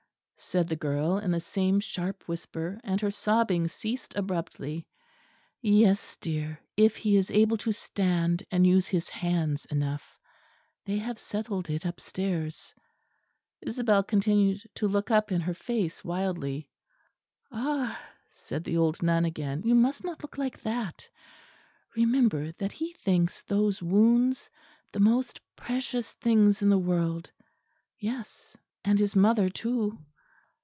said the girl, in the same sharp whisper; and her sobbing ceased abruptly. "Yes, dear; if he is able to stand and use his hands enough. They have settled it upstairs." Isabel continued to look up in her face wildly. "Ah!" said the old nun again. "You must not look like that. Remember that he thinks those wounds the most precious things in the world yes and his mother too!"